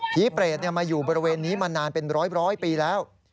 เปรตมาอยู่บริเวณนี้มานานเป็นร้อยปีแล้ว